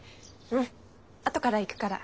うん後から行くから。